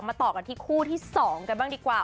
ต่อกันที่คู่ที่๒กันบ้างดีกว่า